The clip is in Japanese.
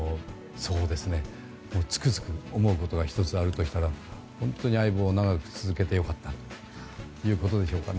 つくづく思うことが１つあるとしたら本当に「相棒」を長く続けて良かったということでしょうか。